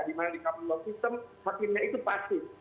di mana di common law system hakimnya itu pasif